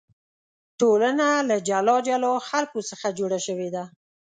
ټولنه له جلا جلا خلکو څخه جوړه شوې ده.